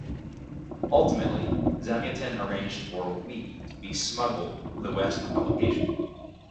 Ultimately, Zamyatin arranged for "We" to be smuggled to the West for publication.